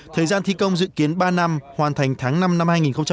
thời gian thi công dự kiến ba năm hoàn thành tháng năm năm hai nghìn hai mươi